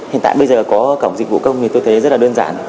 hiện tại bây giờ có cổng dịch vụ công thì tôi thấy rất là đơn giản